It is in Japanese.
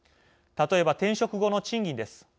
例えば転職後の賃金です。